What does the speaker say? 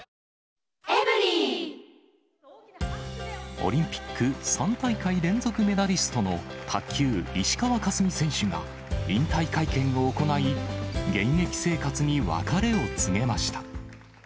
オリンピック３大会連続メダリストの卓球、石川佳純選手が、引退会見を行い、現役生活に別れを告げました。